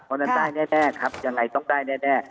ก็ได้แน่ยังไงต้องได้แน่